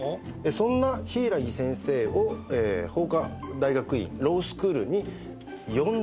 そんな柊木先生を法科大学院ロースクールに呼んだ。